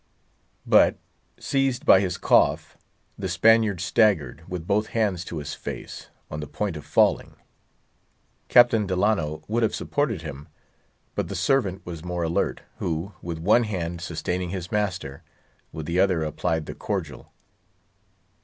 But, seized by his cough, the Spaniard staggered, with both hands to his face, on the point of falling. Captain Delano would have supported him, but the servant was more alert, who, with one hand sustaining his master, with the other applied the cordial.